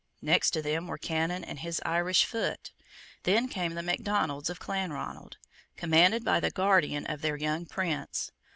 Next to them were Cannon and his Irish foot. Then came the Macdonalds of Clanronald, commanded by the guardian of their young prince.